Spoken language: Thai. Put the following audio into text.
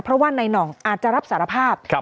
เพราะว่านายหน่องอาจจะรับสารภาพ